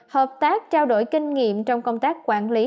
hợp tác trao đổi kinh nghiệm trong công tác quản lý